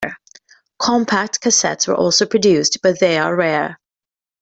Compact cassettes were also produced, but they are rare.